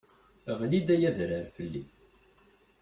Ɣli-d ay adrar fell-i!